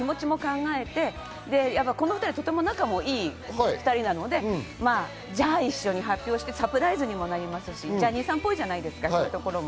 ファンの気持ちを考えてこの２人、とても仲がいい２人なので、じゃあ一緒に発表してサプライズにもなりますし、ジャニーさんっぽいじゃないですか。